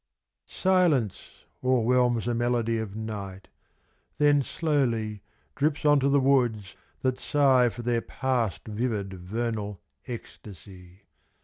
TEARS. SI LKNCE o'erwhelms the melody of Night, Then slowly drips on to the woods that sigh For their past vivid vernal ecstasy.